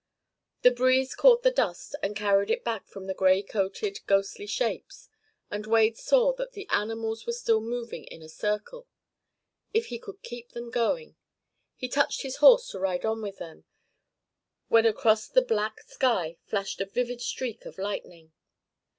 The breeze caught the dust and carried it back from the gray coated, ghostly shapes, and Wade saw that the animals were still moving in a circle. If he could keep them going! He touched his horse to ride on with them, when across the black sky flashed a vivid streak of lightning.